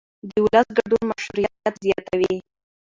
د ولس ګډون مشروعیت زیاتوي